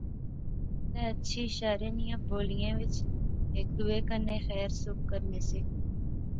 تہ اچھی شارے نیاں بولیا وچ ہیک دوہے کنے خیر سکھ کرنے سے